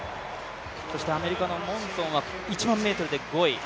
そしてアメリカのモンソンは１００００ｍで５位。